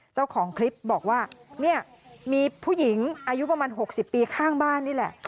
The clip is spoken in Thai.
เจ้าของคลิปบอกว่าเนี่ยมีผู้หญิงอายุประมาณ๖๐ปีข้างบ้านนี่แหละ